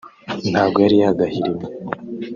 ntago yari yagahirimye